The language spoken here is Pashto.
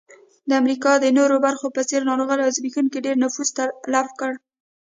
د امریکا د نورو برخو په څېر ناروغیو او زبېښاک ډېر نفوس تلف کړ.